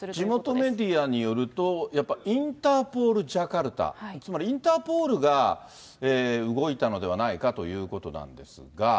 地元メディアによると、やっぱりインターポールジャカルタ、つまりインターポールが動いたのではないかということなんですが。